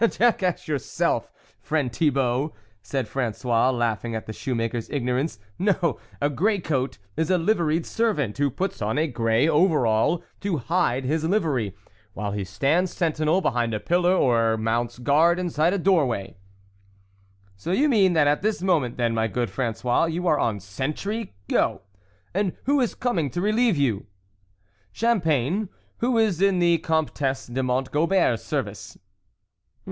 " Jack ass yourself, friend Thibault," said Frangois, laughing at the shoe maker's ignorance. " No, a grey coat is a liveried servant, who puts on a grey overall to hide his livery, while he stands sentinel be hind a pillar, or mounts guard inside a doorway." THE WOLF LEADER " So you mean that at this moment then, my good Fra^ois, you are on sentry go ? And who is coming to relieve you "" Champagne, who is in the Comtesse de Mont Gobert's service."